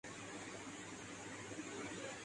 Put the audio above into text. مسلمان دنیا میں شہادت حق کے لیے کھڑے کیے گئے ہیں۔